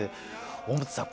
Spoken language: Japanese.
大本さん